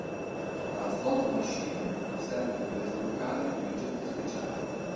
La "slot machine" serve per sbloccare gli oggetti speciali.